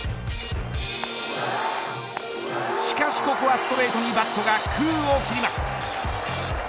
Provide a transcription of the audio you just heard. しかしここは、ストレートにバットが空を切ります。